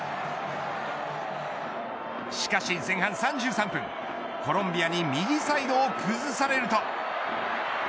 しかし前半３３分コロンビアに右サイドを崩されると。